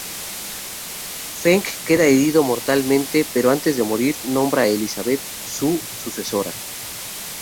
Feng queda herido mortalmente, pero antes de morir nombra a Elizabeth su sucesora.